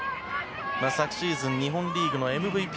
昨シーズン日本リーグのＭＶＰ。